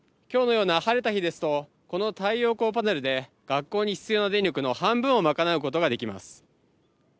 今日のような晴れた日ですと、この太陽光パネルで学校に必要な電力の半分をまかなうことができます。